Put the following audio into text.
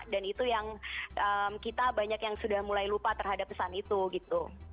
dan itu yang kita banyak yang sudah mulai lupa terhadap pesan itu gitu